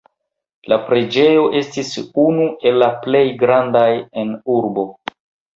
La preĝejo estis unu el la plej grandaj en urbo.